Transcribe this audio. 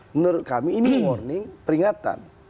menurut kami ini warning peringatan